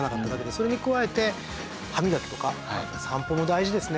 それに加えて歯みがきとか散歩も大事ですね。